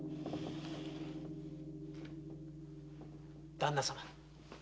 旦那様。